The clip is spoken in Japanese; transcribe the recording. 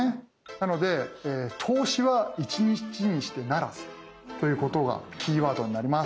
なので「投資は一日にして成らず」ということがキーワードになります。